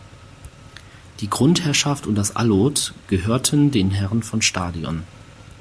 Die Grundherrschaft und das Allod gehörten den Herren von Stadion.